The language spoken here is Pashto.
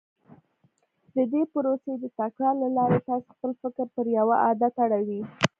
د دې پروسې د تکرار له لارې تاسې خپل فکر پر يوه عادت اړوئ.